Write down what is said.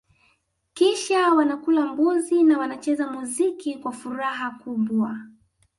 Kisha wanakula mbuzi na wanacheza muziki kwa furaha kubwa